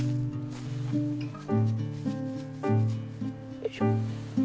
よいしょ。